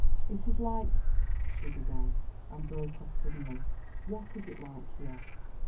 "It is like——" she began, and broke off suddenly. "What is it like?" he asked.